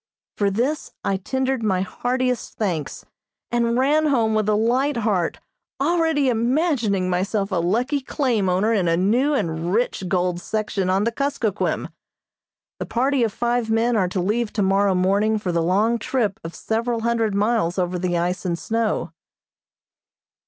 For this I tendered my heartiest thanks, and ran home with a light heart, already imagining myself a lucky claim owner in a new and rich gold section on the Kuskokquim. The party of five men are to leave tomorrow morning for the long trip of several hundred miles over the ice and snow.